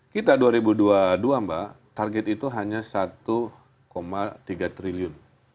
kita dua ribu dua puluh dua mbak target itu hanya satu tiga triliun